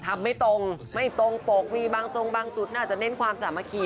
ไม่ตรงไม่ตรงปกมีบางจงบางจุดน่าจะเน้นความสามัคคี